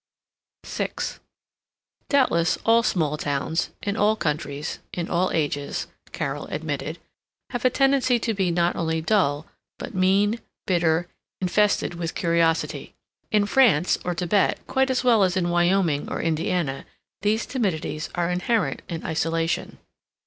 VI Doubtless all small towns, in all countries, in all ages, Carol admitted, have a tendency to be not only dull but mean, bitter, infested with curiosity. In France or Tibet quite as much as in Wyoming or Indiana these timidities are inherent in isolation.